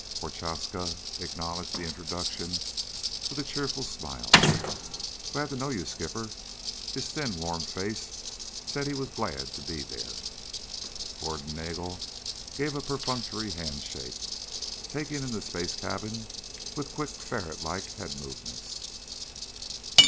Prochaska acknowledged the introduction with a cheerful smile. "Glad to know you, Skipper." His thin warm face said he was glad to be there. Gordon Nagel gave a perfunctory handshake, taking in the space cabin with quick ferret like head movements.